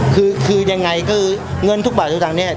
คือคือยังไงคือเงินทุกบาททุกตังค์เนี่ย